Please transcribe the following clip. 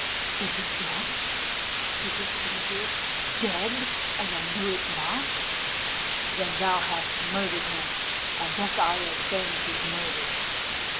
"Is he dead?" she hissed in his ear. "Dead! and I knew it not? Then thou hast murdered him, and thus I avenge his murder."